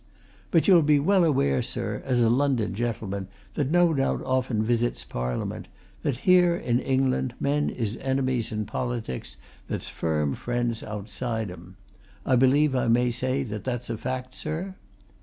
But you'll be well aware, sir, as a London gentleman, that no doubt often visits Parliament, that here in England men is enemies in politics that's firm friends outside 'em. I believe I may say that that's a fact, sir?"